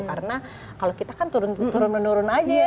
karena kalau kita kan turun menurun aja ya